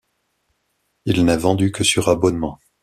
Il n'est vendu que sur abonnement.